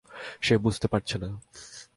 সে বুঝতে পারছে না!